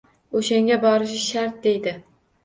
O`shanga borishi shart deydi